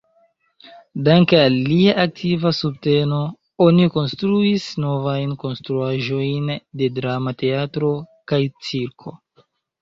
Danke al lia aktiva subteno oni konstruis novajn konstruaĵojn de drama teatro kaj cirko.